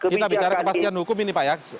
kita bicara kepastian hukum ini pak ya